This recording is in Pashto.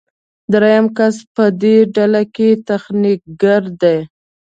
دریم کس په دې ډله کې تخنیکګر دی.